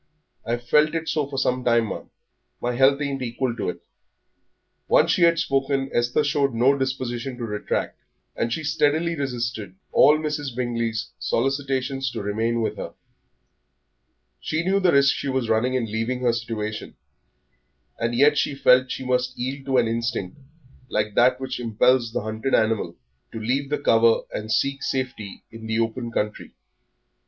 I've felt it so for some time, ma'am. My health ain't equal to it." Once she had spoken, Esther showed no disposition to retract, and she steadily resisted all Mrs. Bingley's solicitations to remain with her. She knew the risk she was running in leaving her situation, and yet she felt she must yield to an instinct like that which impels the hunted animal to leave the cover and seek safety in the open country.